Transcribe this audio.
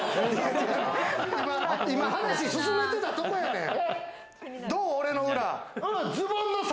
今、話進めてたとこやねん。